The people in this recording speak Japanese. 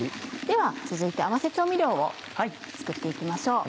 では続いて合わせ調味料を作って行きましょう。